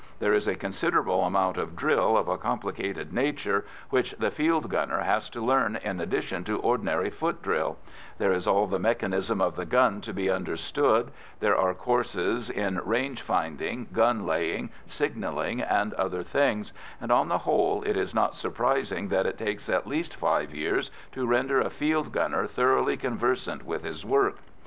There is a considerable amount of drill of a complicated nature which the field gunner has to learn in addition to ordinary foot drill; there is all the mechanism of the gun to be understood; there are courses in range finding, gun laying, signalling, and other things, and on the whole it is not surprising that it takes at least five years to render a field gunner thoroughly conversant with his work.